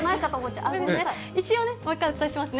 一応ね、もう一回お伝えしますね。